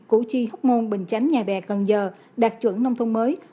củ chi hóc môn bình chánh nhà bè cần giờ đạt chuẩn nông thôn mới